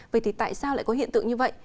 vậy tại sao lại có hiện tượng như vậy